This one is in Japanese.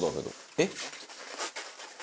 えっ？」